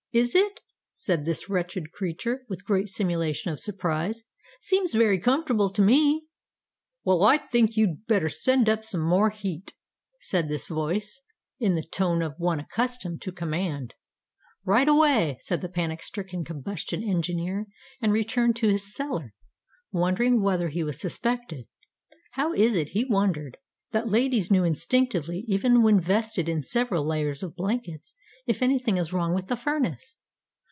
"Is it?" said this wretched creature, with great simulation of surprise. "Seems very comfortable to me." "Well, I think you'd better send up some more heat," said this voice, in the tone of one accustomed to command. "Right away," said the panic stricken combustion engineer, and returned to his cellar, wondering whether he was suspected. How is it, he wondered, that ladies know instinctively, even when vested in several layers of blankets, if anything is wrong with the furnace?